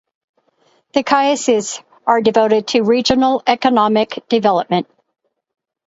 The caisses are devoted to regional economic development.